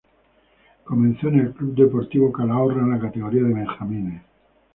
Comenzó en el Club Deportivo Calahorra en la categoría de benjamines.